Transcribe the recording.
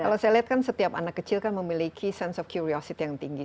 kalau saya lihat kan setiap anak kecil kan memiliki sense of curiosity yang tinggi